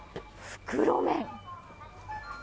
袋麺。